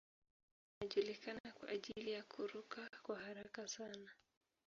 Pia anajulikana kwa ajili ya kuruka kwa haraka sana.